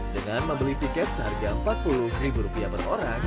dengan membeli pick up seharga empat puluh rupiah per orang